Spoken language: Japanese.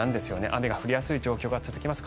雨が降りやすい状況が続きます。